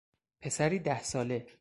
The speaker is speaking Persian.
پسری ده ساله